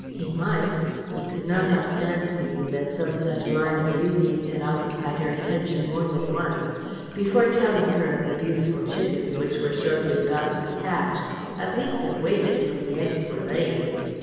He might he could not help fancying that some such line of reasoning had occupied her attention more than once before telling her of the beautiful chickens which were shortly about to be hatched, at least have waited till the eggs were laid.